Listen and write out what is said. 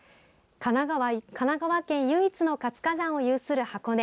神奈川県唯一の活火山を有する箱根。